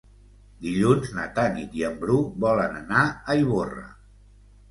Dilluns na Tanit i en Bru volen anar a Ivorra.